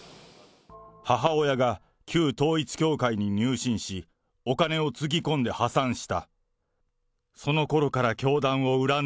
母親が旧統一教会に入信し、お金をつぎ込んで破産した。